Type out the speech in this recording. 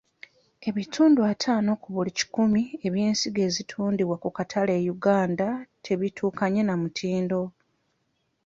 Ebitundu ataano ku buli kikumi eby'ensigo ezitundibwa ku katale e Uganda tebituukanye na mutindo.